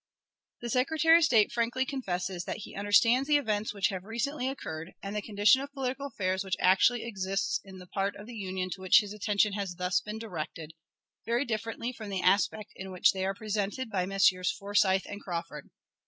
The Secretary of State frankly confesses that he understands the events which have recently occurred, and the condition of political affairs which actually exists in the part of the Union to which his attention has thus been directed, very differently from the aspect in which they are presented by Messrs. Forsyth and Crawford.